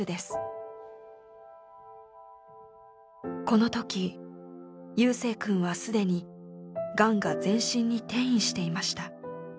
このとき夕青くんはすでにがんが全身に転移していました。